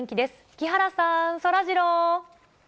木原さん、そらジロー。